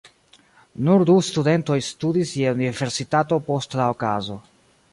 Nur du studentoj studis je universitato post la okazo.